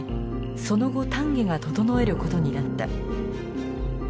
その後丹下が整えることになった。